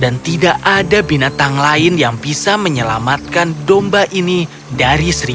dan tidak ada binatang lain yang bisa menyelamatkan domba ini dari piston air